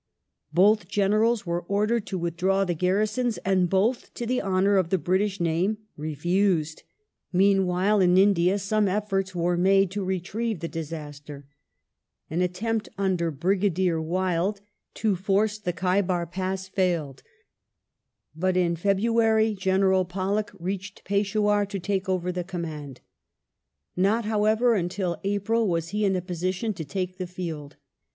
Both Generals were ordered to withdraw the garrisons, and both, to the honour of the British name, refused. Meanwhile, in India, some efforts were made to retrieve the disaster. An attempt, under Brigadier Wild, to force ^ Kaye hints at private wrongs to be avenged, i. 614. 1856] LORD ELLENBOROUGH 271 the Khaibar Pass failed, but in February General Pollock reached Peshawar to take over the command. Not, however, until April was he in a position to take the field.